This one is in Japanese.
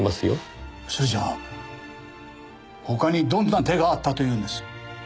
それじゃあ他にどんな手があったと言うんです？